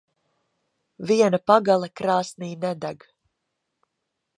Viena pagale krāsnī nedeg.